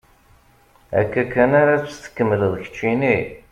Akka kan ara tt-tkemmleḍ keččini?